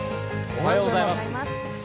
おはようございます。